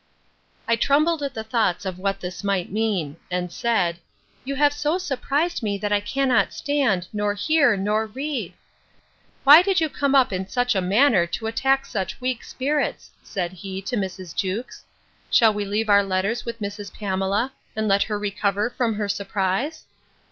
I trembled at the thoughts of what this might mean; and said, You have so surprised me, that I cannot stand, nor hear, nor read! Why did you come up in such a manner to attack such weak spirits? said he, to Mrs. Jewkes, Shall we leave our letters with Mrs. Pamela, and let her recover from her surprise?